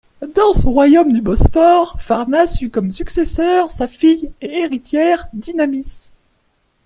Dans son royaume du Bosphore, Pharnace eut comme successeur sa fille et héritière Dynamis.